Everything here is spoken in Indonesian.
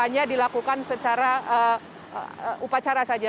hanya dilakukan secara upacara saja